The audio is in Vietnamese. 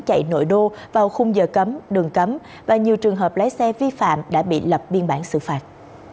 chạy nội đô vào khung giờ cấm đường cấm và nhiều trường hợp lái xe vi phạm đã bị lập biên bản xử phạt